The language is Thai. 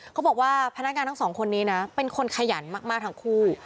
เขาบอกว่าพนักงานทั้งสองคนนี้นะเป็นคนขยันมากทั้งคู่